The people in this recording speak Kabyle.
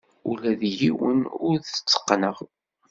Ula d yiwen ur t-tteqqneɣ.